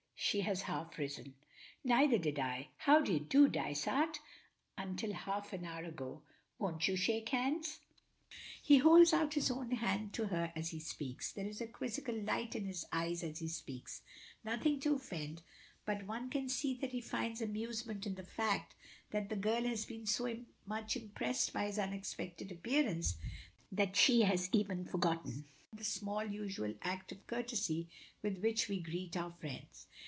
She has half risen. "Neither did I how d'ye do, Dysart? until half an hour ago. Won't you shake hands?" He holds out his own hand to her as he speaks. There is a quizzical light in his eyes as he speaks, nothing to offend, but one can see that he finds amusement in the fact that the girl has been so much impressed by his unexpected appearance that she has even forgotten the small usual act of courtesy with which we greet our friends.